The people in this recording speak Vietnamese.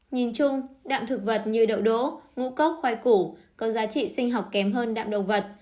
nhìn chung đạm thực vật như đậu đỗ ngũ cốc khoai củ có giá trị sinh học kém hơn đạm động vật